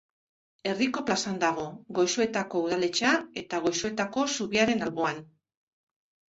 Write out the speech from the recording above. Herriko plazan dago, Goizuetako udaletxea eta Goizuetako zubiaren alboan.